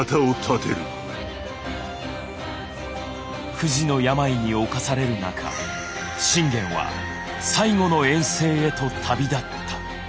不治の病に侵される中信玄は最後の遠征へと旅立った。